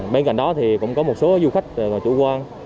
bên cạnh đó thì cũng có một số du khách chủ quan